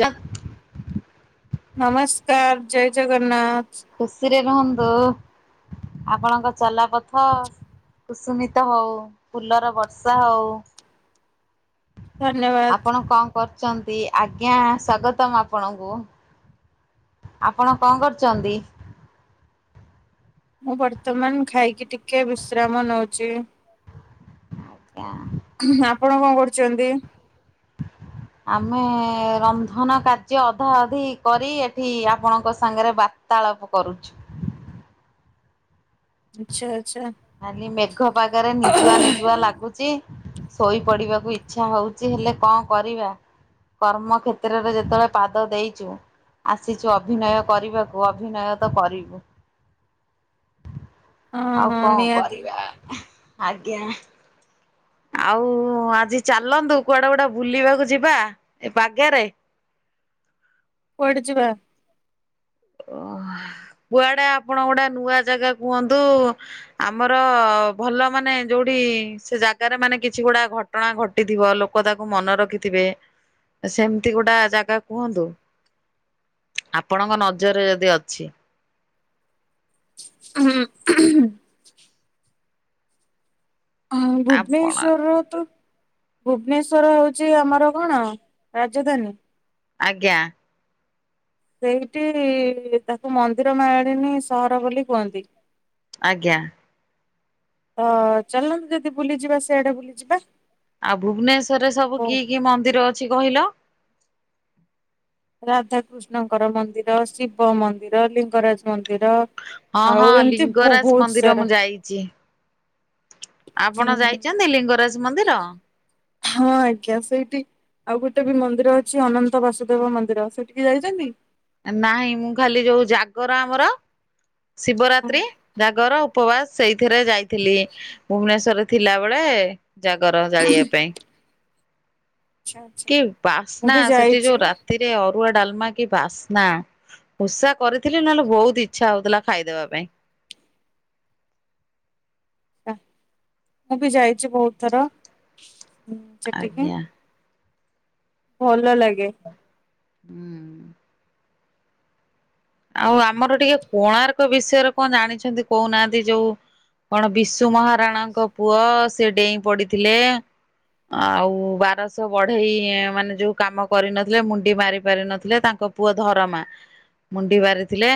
ଜପ ନମସ୍କାର ଜୟ ଜଗନ୍ନାଥ। ଖୁସିରେ ରୁହନ୍ତୁ ଆପଣଙ୍କ ଚଲା ପଥ କୁସୁମିତ ହଉ ଫୁଲର ବର୍ଷା ହଉ। ଧନ୍ୟବାଦ ଆପଣ କଣ କରୁଛନ୍ତି ଆଜ୍ଞା ସ୍ଵାଗତମ ଆପଣଙ୍କୁ। ଆପଣ କଣ କରୁଛନ୍ତି? ମୁଁ ବର୍ତ୍ତମାନ ଖାଇକି ଟିକେ ବିଶ୍ରାମ ନଉଛି। ଜ୍ଞା ହୁଁ ଆପଣ କଣ କରୁଛନ୍ତି? ହ ଆମେ ରନ୍ଧନ କାର୍ଯ୍ୟ ଅଧା ଅଧି କରି ଏଠି ଆପଣଙ୍କ ସାଙ୍ଗରେ ବା ତାଳବ କରୁଛୁ। ଆଚ୍ଛା ଆଚ୍ଛା। ଖାଲି ମେଘ ପାଗରେ ନିଦୁଆ ନିଦୁଆ ଲାଗୁଛି। ଶୋଇପଡିବାକୁ ଇଚ୍ଛା ହଉଛି ହେଲେ କଣ କରିବା। କର୍ମ କ୍ଷେତ୍ରରେ ଯେତେବେଳେ ପାଦ ଦେଇଛୁ ଆସିଛୁ ଅଭିନୟ କରିବାକୁ ଅଭିନୟ ତ କରିବୁ। ହଁ ଆଉ ହଁ କଣ ନିହାତି କରିବା ଆଜ୍ଞା। ଆଉ ଆଜି ଚାଲନ୍ତୁ କୁଆଡା କୁଡା ବୁଲିବାକୁ ଯିବା ଏ ପାଗେ ରେ। କୁଆଡେ ଯିବା? ଓ କୁଆଡେ ଆପଣ ଗୋଟେ ନୂଆ ଜାଗା କୁହନ୍ତୁ। ଆମର ଭଲ ମାନେ ଯୋଉଠି ସେ ଜାଗାରେ ମାନେ କିଛି ଗୁଡା ଘଟ ଘଟଣା ଘଟିଥିବ ଲୋକ ତାକୁ ମନେ ରଖିଥିବେ। ସେମିତି ଗୋଟା ଜାଗା କୁହନ୍ତୁ ଆପଣଙ୍କ ନଜ ରେ ଯଦି ଅଛି। ଉଁ ହଁ। ହ ଆପଣ ଭୁବନେଶ୍ୱଵର ତ ଭୁବନେଶ୍ଵର ହଉଛି ଆମର କଣ ରାଜଧାନୀ। ଆଜ୍ଞା। ସେଇଠି ତାକୁ ମନ୍ଦିର ମାଳିନୀ ସହର ବୋଲି କୁହନ୍ତି। ଆଜ୍ଞା। ତ ଚାଲନ୍ତୁ ଯଦି ବୁଲିଯିବା ସେଆଡେ ବୁଲିଯିବା। ଆଉ ଭୁବନେଶ୍ଵରରେ ସବୁ କି କି ମନ୍ଦିର ଅଛି କହିଲ? ରାଧାକୃଷ୍ଣଙ୍କର ମନ୍ଦିର ଶିବ ମନ୍ଦିର ଲିଙ୍ଗରାଜ ମନ୍ଦିର। ହଁ ହଁ ଆଉ ଏମିତି ଲିଙ୍ଗରାଜ ବହୁତ ମନ୍ଦିର ସାରା ମୁଁ ଯାଇଛି। ଆପଣ ହଁ ଯାଇଛନ୍ତି ଲିଙ୍ଗରାଜ ମନ୍ଦିର। ହଁ ଆଜ୍ଞା ସେଇଠି ଆଉ ଗୋଟେ ବି ମନ୍ଦିର ଅଛି ଅନନ୍ତ ବାସୁଦେବ ମନ୍ଦିର ସେଠିକି ଯାଇଛନ୍ତି। ନାହିଁ ମୁଁ ଖାଲି ଯୋଉ ଜାଗର ଆମର ହଁ ଶିବରାତ୍ରି ଜାଗର। ଉପବାସ ସେଇଥିରେ ଯାଇଥିଲି ଭୁବନେଶ୍ଵରରେ ଥିଲାବେଳେ ଜାଗର ଜାଳିବା ପାଇଁ। ଆଚ୍ଛା ଆଚ୍ଛା କି ମୁଁ ବାସ୍ନା ବି ସେଠି ଯାଇଛି ଯୋଉ ରା ରାତିରେ ଅରୁଆ ଡାଲମା କି ବାସ୍ନା ଉଷା କରିଥିଲି ନହେଲେ ବହୁତ ଇ ଇଚ୍ଛା ହଉଥିଲା ଖାଇଦବା ପାଇଁ। ମୁଁ ବି ଯାଇଛି ବହୁତ ଥର ସେଠିକି। ଆଜ୍ଞା। ଭଲ ଲାଗେ। ହୁଁଉଁ। ଆଉ ଆମର ଟିକେ କୋଣାର୍କ ବିଷୟରେ କଣ ଜାଣିଛନ୍ତି କହୁନାହାନ୍ତି ଯୋଉ କଣ ବିଶୁ ମହାରାଣାଙ୍କ ପୁଅ ସେ ଡେଇଁ ପଡିଥିଲେ। ଆଉ ବାରଶ ବଢେଇ ମାନେ ଯୋଉ କାମ କରିନଥିଲେ ମୁଣ୍ଡି ମାରି ପାରି ନଥିଲେ ତାଙ୍କ ପୁଅ ଧରମା। ମୁଣ୍ଡି ମାରିଥିଲେ।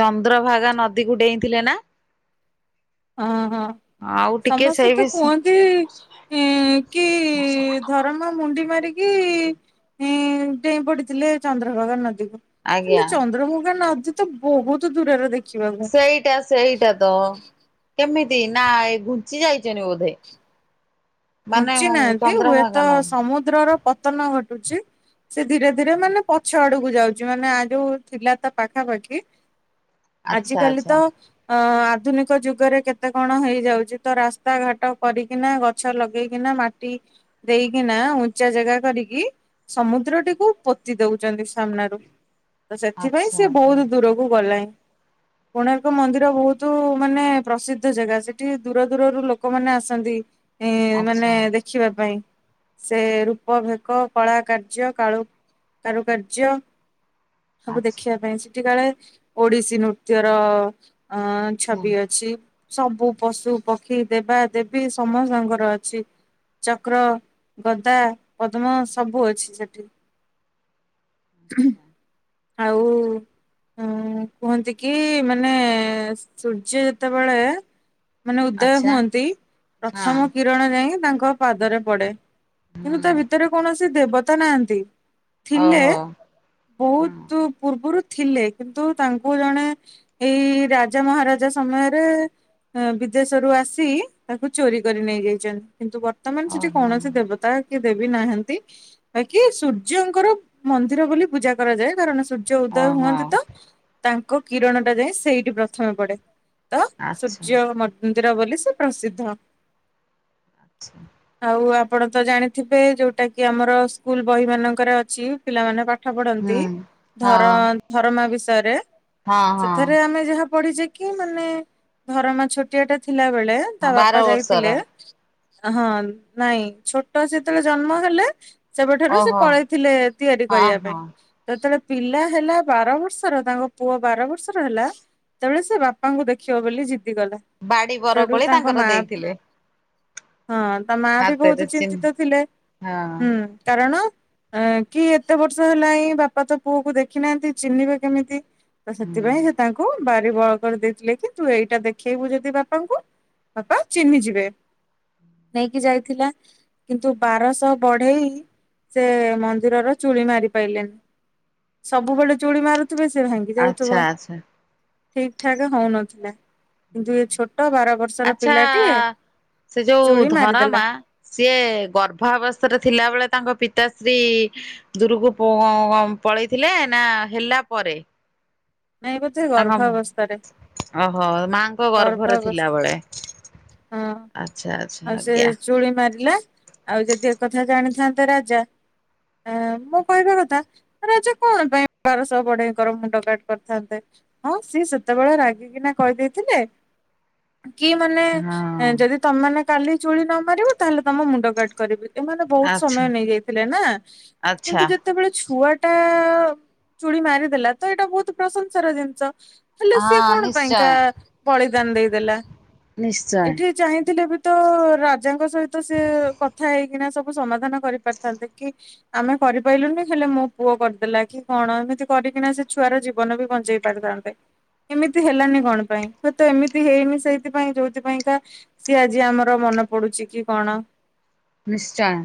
ଚନ୍ଦ୍ରଭାଗା ନଦୀକୁ ଡେଇଁଥିଲେ ନା? ହଁ ହଁ [inaudible] ଟିକେ ସମସ୍ତେ ସେଇ ତ ବିଷ କୁହନ୍ତି କି ଧରମା ମୁଣ୍ଡି ମାରି କି ଡେଇଁ ପଡିଥିଲେ ଚନ୍ଦ୍ରଭାଗା ନଦୀକୁ। ହେଲେ ଆଜ୍ଞା ଚନ୍ଦ୍ରଭଗା ନଦୀ ତ ବହୁତ ଦୂରରେ ଦେଖି ସେଇଟା ସେଇଟା ତ କେମିତି ନା ଏ ଘୁଞ୍ଚି ଯାଇଛନି ବୋଧେ? ମାନେ ଘୁଞ୍ଚି ନାହାନ୍ତି ଚନ୍ଦ୍ରଭାଗା ହୁଏତ ନଦୀ ସମୁଦ୍ରର ପତନ ଘଟୁଚି। ସେ ଧୀରେ ଧୀରେ ମାନେ ପଛ ଆଡକୁ ଯାଉଚି ମାନେ ଆ ଯୋଉ ଥିଲା ତା ପାଖାପାଖି। ଆଚ୍ଛା ଆଜିିକାଲି ଆଚ୍ଛା ତ ଅ ଆଧୁନିକ ଯୁଗରେ କେତେ କଣ ହେଇଯାଉଛି ତ ରାସ୍ତା ଘାଟ କରିକିନା ଗଛ ଲଗ ପକେଇକିନା ମାଟି ଦେଇକିନା ଉଚା ଜାଗା କରିକି ସମୁଦ୍ରଟିକୁ ପୋତି ଦଉଛନ୍ତି ସାମ୍ନାରୁ ତ ସେଥିପାଇଁ ଆଚ୍ଛା ସିଏ ବହୁତ ଦୂରକୁ କୁ ଗଲାଣି। କୋଣାର୍କ ମନ୍ଦିର ବହୁତ ମାନେ ପ୍ରସିଦ୍ଧ ଜାଗା ସେଠି ଦୂର ଦୂରରୁ ଲୋକମାନେ ଆସନ୍ତି। ଇଁ ଆଚ୍ଛା ମାନେ ଆଚ୍ଛା ଦେଖିବା ପାଇଁ। ସେ ରୂପ ଭେକ କଳା କାର୍ଯ୍ୟ କାଳୁ କାରୁକାର୍ଯ୍ୟ ସବୁ ଆଚ୍ଛା ଦେଖିବା ପାଇଁ ସେଠି କାଳେ ଓଡିଶୀ ନୃତ୍ୟର ଅ ଛବି ଅଛି ସବୁ ପଶୁ ପକ୍ଷୀ ଦେବା ଦେବୀ ସମସ୍ତଙ୍କର। ଛି ଚକ୍ର ଗଦା ପଦ୍ମ ସବୁ ଅଛି ସେଠି। ଆଚ୍ଛା ଆଉ ଉ। ଉ କୁହନ୍ତି କି ମାନେ ସୂର୍ଯ୍ୟ ଯେତେବେଳେ ମାନେ ଉଦୟ ଆଚ୍ଛା ହୁଅନ୍ତି ହଁ ପ୍ରଥମ କିରଣ ଯାଇଁକି ତାଙ୍କ ପାଦରେ ପଡେ। କିନ୍ତୁ ତା ହଁ ଭିତରେ କୌଣସି ଦେବତା ନାହାନ୍ତି। ଥିଲେ ଓହୋ ହଁ ବହୁତ ପୂର୍ବରୁ ଥିଲେ କିନ୍ତୁ ତାଙ୍କୁ ଜଣେ ଏଇ ରାଜା ମହାରାଜା ସମୟରେ ବିଦେଶରୁୁ ଆସି ତାକୁ ଚୋରି କରି ନେଇ ଯାଇଛନ୍ତି କିନ୍ତୁ ବର୍ତ୍ତମାନ ସେଠି ଓହୋ କୌଣସି ଦେବତା କି ଦେବି ନାହାନ୍ତି ବାକି ସୂର୍ଯ୍ୟଙ୍କର ମନ୍ଦିର ବୋଲି ପୂଜା କରାଯାଏ କାରଣ ସୂ ସୂର୍ଯ୍ୟ ଉଦୟ ଓହୋ ହୁଅନ୍ତି ତ ତାଙ୍କ କିରଣ ଟା ଯାଇ ସେଇଠି ପ୍ରଥମେ ପଡେ। ତ ଆଚ୍ଛା ସୂର୍ଯ୍ୟ ମନ୍ଦିର ବୋଲି ସେ ପ୍ରସିଦ୍ଧ। ଆଚ୍ଛା ଆଉ ଆପଣ ତ ଜାଣିଥିବେ ଯଉଟା କିି ଆମର ସ୍କୁଲ ବହି ମାନଙ୍କରେ ଅଛି। ପିଲାମାନେ ପାଠ ହୁଁ ପଢନ୍ତି ଧର ହଁ ଧରମା ବିଷୟରେ। ହଁ ସେଥେରେ ହଁ ଆମେ ଯାହା ପଢିଛେ କି ମାନେ ଧରମା ଛୋଟିଆ ଟା ଥିଲା ବେଳେ ତା ବାର ବାପା ବର୍ଷର ଯାଇଥିଲେ ହଁ ନାଇଁ ଛୋଟ ସେତେବେଳେ ଜନ୍ମ ହେଲେ ସେବେଠାରୁ ସେ ଓହୋ ପଳେଇଥିଲେ ତିଆରି ହଁ କରିବା ପାଇଁ। ହଁ ଯେତେବେଳେ ପିଲା ହେଲା ବାର ବର୍ଷର ତାଙ୍କ ପୁଅ ବାର ବର୍ଷର ହେଲା। ସେତେବେଳ ସେ ବାପାଙ୍କୁ ଦେଖିବ ବୋଲି ଜିଦିକଲା। ବାଡି ବରକୋଳି ତାଙ୍କର ଦେଇଥିଲେ। ହଁ ତା ମା ବି ହାତରେ ବହୁତ ଚିହ୍ନ ଚିନ୍ତିତ ଥିଲେ। ହଁ ହୁଁ କାରଣ ଏଁ କି ଏତେ ବର୍ଷ ହେଲାଣି ବାପା ତ ପୁଅକୁ ଦେଖି ନାହାନ୍ତି ଚିହ୍ନିବ କେମିତି? ତ ହୁଁ ସେଥିପାଇଁ ସେ ତାଙ୍କୁ ବାରି ବଳ କୋଳି ଦେଇଥିଲେ କି ତୁ ଏଇଟା ଦେଖେଇବୁ ଯଦି ବାପାଙ୍କୁ ବାପା ଚିହ୍ନିଯିବେ। ନେଇକି ଯାଇଥିଲା। କିନ୍ତୁ ବାରଶହ ବଢେଇ ସେ ମନ୍ଦିରର ଚୁଳି ମାରି ପାଇଲେନି। ସବୁବେଳେ ଚୁଳି ମାରୁଥିବେ ସେ ଭାଙ୍ଗି ଆଚ୍ଛା ଯାଉଥିବ ଆଚ୍ଛା ଠିକ ଠାକ ହଉନଥିଲା। କିନ୍ତୁ ଇଏ ଛୋଟ ବାର ବର୍ଷର ଆଚ୍ଛା ପିଲାଟିଏ ସେ ଯୋଉ ଚୁଳି ଧରମା ମାରିଦେଲା। ସିଏ ଗର୍ଭ ଅବସ୍ଥାରେ ଥିଲା ବେଳେ ତାଙ୍କ ପିତାଶ୍ରୀ ଦୂରକୁ ପ ଅ ପଳେଇଥିଲେ ନା ହେଲା ପରେ? ନାଇଁ ବୋଧେ ତାଙ୍କ ଗର୍ଭା ଅବସ୍ଥାରେ। ଓହୋ ମାଙ୍କ ଗର୍ଭରେ ଥିଲାବେେଳେ ଆଛା ଆଚ୍ଛା ଆଜ୍ଞା। ତୁଳି ମାରିଲା ଆଉ ଯଦି ଏକଥା ଜାଣିଥାନ୍ତେ ରାଜା ଆ ମୁଁ କହିବା କଥା ରାଜା କଣ ପାଇଁ ବାରଶହ ବଢେଇଙ୍କର ମୁଣ୍ଡ କାଟ କରିଥାନ୍ତେ? ହଁ ସିଏ ସେତେବେଳେ ରାଗିକିନା କହିଦେଇଥିଲେ କି ମାନେ ହଁ ଯଦି ତମେ କାଲି ଚୁଳି ନ ମାରିବ ତାହେଲେ ତମ ମୁଣ୍ଡ କାଟ କରିବି। ଏମାନେ ବହୁତ ଆଚ୍ଛା ସମୟ ନେଇଯାଇଥିଲେ ନା କିନ୍ତୁ ଆଚ୍ଛା ଯେ ଯେତେବେଳେ ଛୁଆ ଟା ଚୁଳି ମାରିଦେଲା ତ ଏଇଟା ବହୁତ ପ୍ରଶଂସାର ଜିନିଷ। ହେଲେ ସିଏ ହଁ କଣ ନିଶ୍ଚୟ। ପାଇଁକା ବଳିଦାନ ଦେଇଦେଲା? ନିଶ୍ଚୟ ଏଠି ଚାହିଁଥିଲେ ବି ତ ରାଜାଙ୍କ ସହିତ ସେ କଥା ହେଇକିନା ସବୁ ସମାଧାନ କରିପାରିଥାନ୍ତେ କି ଆମେ କରିପାଆଇଲୁନି ହେଲେ ମୋ ପୁଅ କରିଦେଲା କି କଣ ଏମିତି କରିକିନା ସେ ଛୁର ଜୀବନ ବି ବଞ୍ଚେଇ ପରିଥାନ୍ତେ ଏମିତି ହେଲାନି କଣ ପାଇଁ? ହୁଏତ ଏମିତି ହେଇନି ସେଇଥିପାଇଁ ଯୋଉଥିପାଇଁକା ସିଏ ଆଜି ଆମର ମନେ ପଡୁଛି କି କଣ? ନିଶ୍ଚୟ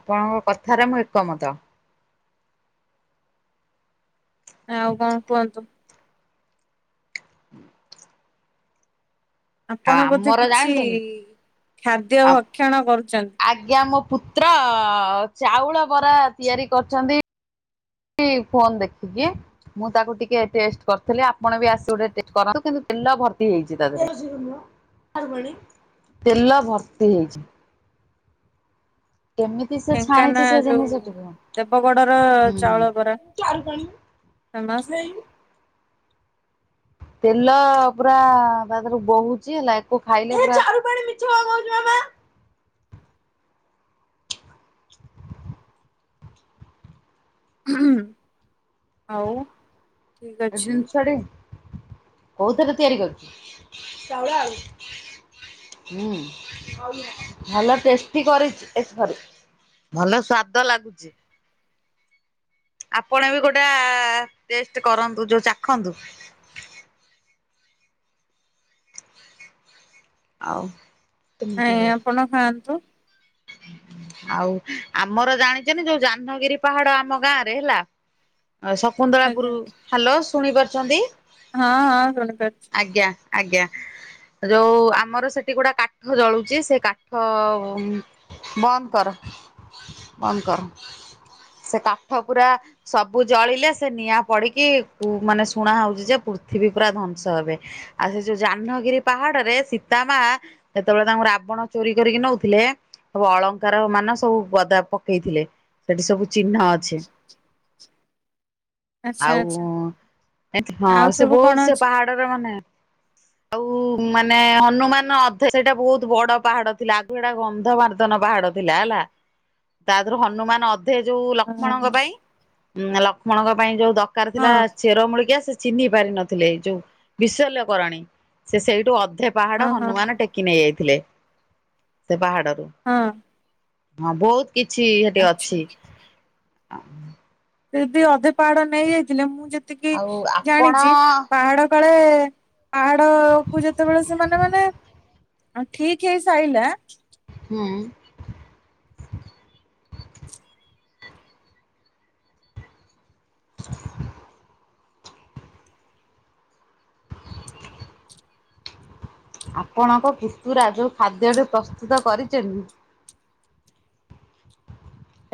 ଆପଣଙ୍କ କଥାରେ ମୁଁ ଏକମତ। ଆଉ କଣ କୁହନ୍ତୁ? ଆଉ ଆପଣ ବୋଧେ ଆମର କିଛି ଜାଣିଛନି କି ଖାଦ୍ୟ ଆ ଭକ୍ଷଣ କରୁଛନ୍ତି ଆଜ୍ଞା ମୋ ପୁ ତ୍ର ଚାଉଳ ବରା ତିଆରି କରିଛନ୍ତି। ଫୋନ ଦେଖିକି ମୁଁ ତାକୁ ଟିକେ ଟେଷ୍ଟ କରିଥିଲି ଆପଣ ବି ଆସି ଗୋଟେ କରନ୍ତୁ କିନ୍ତୁ ତେଲ ଭର୍ତି ହେଇଛି ତା ଦେହରେ। ତେଲ ଭର୍ତ୍ତି ହେଇଛି। କେମିତି ସେ ଢେଙ୍କାନା ଛାଣିଛି ସେ ଯୋଉ ଜିନିଷଟିକୁ। ଦେବଗଡର ହୁଁ। ଚାଉଳ ବରା ଚାରୁ ପାଣି ଫେମଶ ଏଇ ତେଲ ପୁରା ତା ଦେହରୁ ବୋହୁଚି ହେଲା ଆକୁ ଖାଇଲେ ଉ ହୁଁ ଆଉ ଠିକ ଏ ଅଛି। ଜିନିଷ ଟି କୋଉ ଥରେ ତିଆରି କରୁଛି, ଚାଉଳ ଆଉ। ହୁଁ ଭଲ ଟେଷ୍ଟି କରିଛି କରିଚି ଏଥେରେ ଭଲ ସ୍ଵାଦ ଲାଗୁଚି। ଆପଣ ବି ଗୋଟା ଆ ଟେଷ୍ଟ କରନ୍ତୁ। ଯୋଉ ଚାଖନ୍ତୁ। ଆଉ ନାଇଁ ଆପଣ ଖାଆନ୍ତୁ। ଆଉ ଆମର ଜାଣିଛନ୍ତି ଯୋଉ ଜାହ୍ନଗିରି ପାହାଡ ଆମ ଗାଁ ରେ ହେଲା ଆଜ୍ଞା ଶକୁନ୍ତଳାପୁର ହ୍ୟାଲୋ ଶୁଣି ପାରୁଛନ୍ତି? ହଁ ହଁ ସୁଣିପରୁଚି। ଆଜ୍ଞା ଆଜ୍ଞା। ଯୋଉ ଆମର ସେଠି ଗୋଡା କାଠ ଜଳୁଛି ସେ କାଠ ଉମ ବନ୍ଦ କର ବନ୍ଦ କର ସେ କାଠ ପୁରା ସବୁ ଜଳିଲେ ସେ ନିଆଁ ପଡିକି ମାନେ ଶୁଣା ହୋଉଚି ଯେ ପୃଥିବୀ ପୁରା ଧ୍ଵଂସ ହେବେ। ଆଉ ସେ ଯୋଉ ଜାହ୍ନଗିରି ପାହାଡରେ ସୀତାମା ଯେତେବେଳେ ତାଙ୍କୁ ରାବଣ ଚୋରି କରିକି ନଉଥିଲେ ସବୁ ଅଳଙ୍କାର ମାନ ସବୁ ଗଦା ପକେଇଥିଲେ ସେଠି ସବୁ ଚିହ୍ନ ଅଛି ଆଚ୍ଛା ଆଉ ଆଚ୍ଛା। ହଁ ଆଉ ସେ ସବୁ କଣ ବୋହୁତ ସେ ଅଛି? ପାହାଡରେ ମାନେ ଆଉ ମାନେ ହନୁମାନ ଅଧେ ସେଇଟା ବହୁତ ବଡ ପାହାଡ ଥିଲା ଆଗୁ ଏଟା ଗନ୍ଧ ମାରଦ୍ ନୁତନ ପାହାଡ ଥିଲା ହେଲା ତା ଦେହରୁ ହନୁମାନ ଅଧେ ଯୋଉ ହଁ ଲକ୍ଷ୍ମଣଙ୍କ ପାଇଁ ଉଁ ଲକ୍ଷ୍ମଣଙ୍କ ପାଇଁ ଯୋଉ ଦରକାର ଥିଲା ହଁ ଚେର ମୂଳିକା ସେ ଚିହ୍ନି ପାରିନଥିଲେ ଏଇ ଯୋଉ ବିଶଲ୍ୟକରଣୀ ସେ ସେଇଠୁ ଅଧେ ପାହାଡ ହଁ ହନୁମାନ ଟେକି ନେଇ ଯାଇଥିଲେ ସେ ପାହାଡରୁ ହଁ। ହଁ ବୋହୁତ କିଛି ସେଠି ଆଚ୍ଛା ଅଛି ଯଦି ଅଧେ ପାହାଡ ନେଇଯାଇଥିଲେ ମୁଁ ଯେତିକି ଆଉ ଆପଣ ଜାଣିଛି ପାହାଡ କାଳେ ପାହାଡ କୁ ଯେତେବେଳେ ସେମାନେ ମାନେ ଠିକ ହେଇ ସାଇଲା ହଁ। [inaudible] ଆପଣଙ୍କ ପୁତୁରା ଯୋଉ ଖାଦ୍ୟ ଏବେ ପ୍ରସ୍ତୁତ କରିଛନି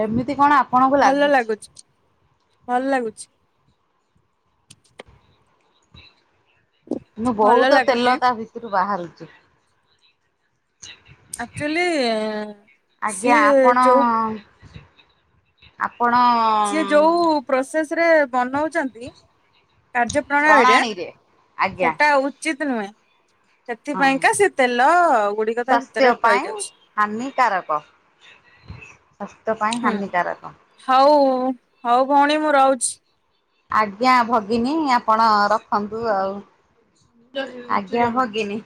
ଏମିତି କଣ ଆ ଭଲ ଲାଗୁଚି ଭଲ ଲାଗୁଚି। ମୁଁ ଭଲ ବୋହୁତ ତେଲ ଲାଗୁଛି ତା ଭିତରୁ ବାହାରୁଛି। ଆକ୍ଚୁଆଲି ଆଜ୍ଞା ସିଏ ଆପଣ ଯୋଉ ଆପଣ। ସିଏ ଯୋଉ ପ୍ରୋସେସ ରେ ବନୋଉଛନ୍ତି କାର୍ଯ୍ୟ ପ୍ରଣାଳୀରେ ଆଜ୍ଞା ସେଟା ଉ ଉଚିତ ନୁହେଁ ହଁ ସେଥିପାଇଁକା ସେ ତେଲ ଗୁଡିକ ତା ସ୍ୱାସ୍ଥ୍ୟ ଭିତରେ ପାଇଁ ରହିଯାଉଛି ହାନିକାରକ ସ୍ୱାସ୍ଥ୍ୟ ପାଇଁ ହୁଁ ହାନିକାରକ। ହଉ ହଉ ଭଉଣୀ ମୁଁ ରହୁଚି। ଆଜ୍ଞା ଭଗିନୀ ଆପଣ ରଖନ୍ତୁ ଆଉ। ଆଜ୍ଞା ଭଗିନୀ।